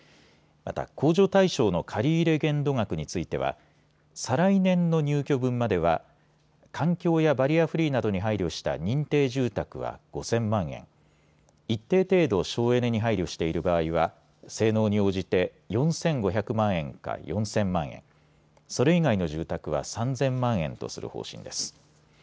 また控除対象の借り入れ限度額については再来年の入居分までは環境やバリアフリーなどに配慮した認定住宅は５０００万円、一定程度、省エネに配慮している場合は性能に応じて４５００万円から４０００万円、それ以外の住宅は３０００万円とする方針です。